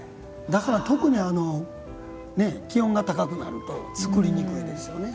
だから、特に気温が高くなると作りにくいですよね。